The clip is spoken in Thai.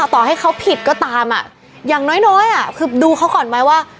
ต่อให้เขาผิดก็ตามอ่ะอย่างน้อยคือดูเขาก่อนไหมว่า